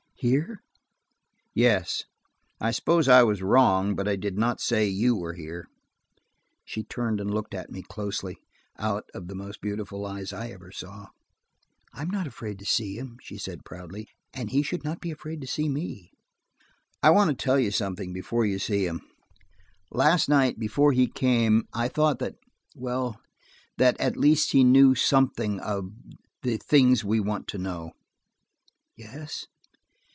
"Here?" "Yes. I suppose I was wrong, but I did not say you were here." She turned and looked at me closely, out of the most beautiful eyes I ever saw. "I'm not afraid to see him," she said proudly, "and he ought not to be afraid to see me." "I want to tell you something before you see him. Last night, before he came, I thought that–well, that at least he knew something of–the things we want to know." "Yes?"